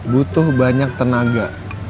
butuh banyak tenaga